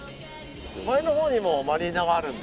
前の方にもマリーナがあるんですよね。